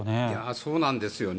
そうなんですよね。